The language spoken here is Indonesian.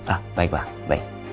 ah baik pak baik